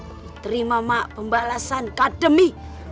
diterima mak pembalasan kademi